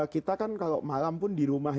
kita kan kalau malam pun di rumah